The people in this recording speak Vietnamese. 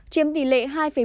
chiếm tỷ lệ hai một